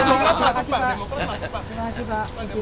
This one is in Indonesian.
terima kasih pak